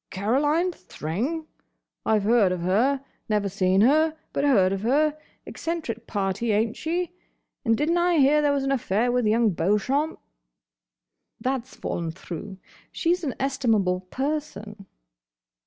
"Caroline Thring? I've heard of her. Never seen her: but heard of her. Eccentric party, ain't she? And did n't I hear there was an affair with Young Beauchamp?" "That's fallen through. She's an estimable person."